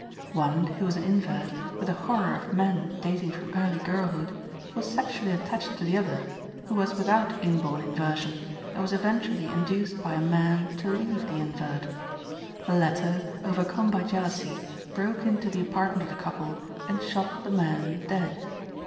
One, who was an invert, with a horror of men dating from early girlhood, was sexually attached to the other, who was without inborn inversion, and was eventually induced by a man to leave the invert. The latter, overcome by jealousy, broke into the apartment of the couple and shot the man dead.